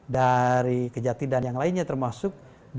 dari kejati dan yang lainnya termasuk